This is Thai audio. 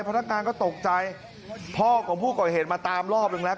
พนักงานก็ตกใจพ่อของผู้ก่อเหตุมาตามรอบหนึ่งแล้ว